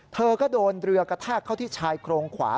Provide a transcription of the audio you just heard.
เธอก็โดนเรือกระแทกเข้าที่ชายโครงขวา